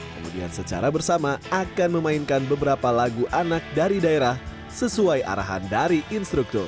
kemudian secara bersama akan memainkan beberapa lagu anak dari daerah sesuai arahan dari instruktur